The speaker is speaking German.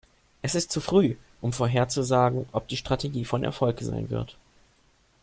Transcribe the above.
Es ist zu früh, um vorherzusagen, ob die Strategie von Erfolg sein wird.